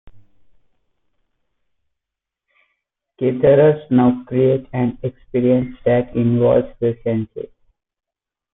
Caterers now create an experience that involves the senses.